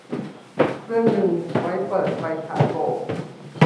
เครื่องนึงไว้เปิดไฟฉายโบก